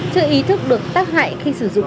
chưa ý thức được tác hại khi sử dụng